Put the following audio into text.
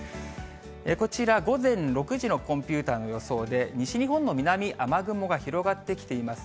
こちら、午前６時のコンピューターの予想で、西日本の南、雨雲が広がってきています。